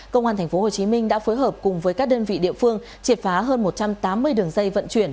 công an tp hcm đã phối hợp cùng với các đơn vị địa phương triệt phá hơn một trăm tám mươi đường dây vận chuyển